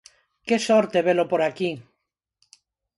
¡Que sorte velo por aquí!